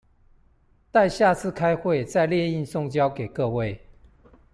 待下次開會再列印送交各位